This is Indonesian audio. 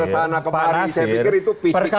saya pikir itu